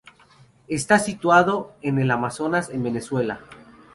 Está situado en el de Amazonas en Venezuela.